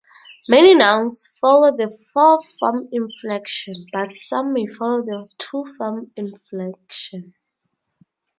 Many nouns follow the four-form inflection, but some may follow the two-form inflection.